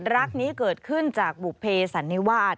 รักนี้เกิดขึ้นจากบุภเพสันนิวาส